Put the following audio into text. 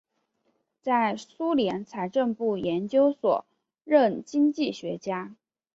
在苏联财政部研究所任经济学家。